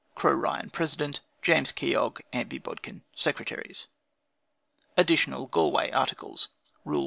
"CROW RYAN, President." "JAMES KEOG, "AMBY BODKIN, Secretaries." ADDITIONAL GALWAY ARTICLES "Rule 1.